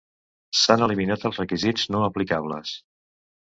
S'han eliminat els requisits no aplicables.